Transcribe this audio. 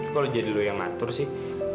kok lo jadi lo yang ngatur sih